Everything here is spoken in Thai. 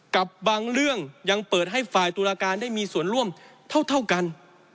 กับบางเรื่องยังเปิดให้ฝ่ายตุลาการได้มีส่วนร่วมเท่ากัน